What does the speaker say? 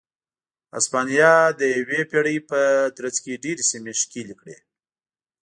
هسپانیا د یوې پېړۍ په ترڅ کې ډېرې سیمې ښکېلې کړې.